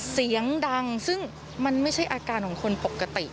เสียงดังซึ่งมันไม่ใช่อาการของคนปกติ